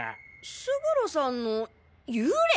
勝呂さんの幽霊！？